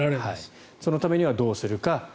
そのためにはどうするか。